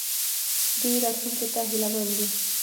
دوی راتلونکي ته هیله مند دي.